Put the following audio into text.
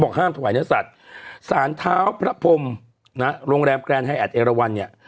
ห้ามถวายเนื้อสัตว์สารเท้าพระพรมนะโรงแรมแกรนไฮแอดเอราวันเนี่ย